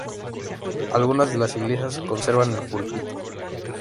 Algunas de las iglesias conservan el púlpito.